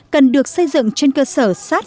cần được xây dựng trên cơ sở sát